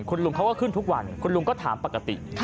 คุณลุงเขาก็ขึ้นทุกวันคุณลุงก็ถามปกติ